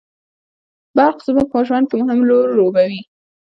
برق زموږ په ژوند کي مهم رول لوبوي